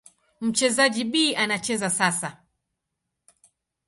Mchezaji B anacheza sasa.